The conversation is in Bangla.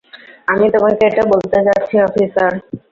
আমি তোমাকে এটা বলতে যাচ্ছি, অফিসার।